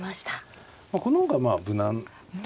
この方がまあ無難。